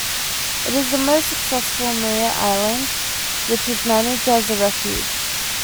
It is most successful on Maria Island, which is managed as a refuge.